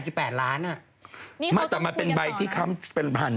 นี่เขาต้องคุยกันต่อนะทำไมเป็นใบที่ค้ำเป็นพันธุ์